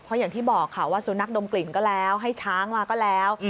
เพราะอย่างที่บอกค่ะว่าสุนัขดมกลิ่นก็แล้วให้ช้างมาก็แล้ว